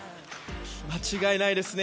間違いないですね。